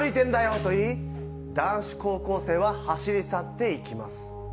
と言い男子高校生は走り去っていきます。